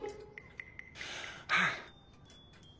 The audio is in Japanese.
はあ。